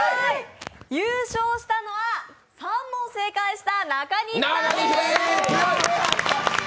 優勝したのは３問正解した中西さんです。